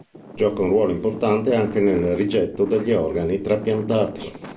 Gioca un ruolo importante anche nel rigetto degli organi trapiantati.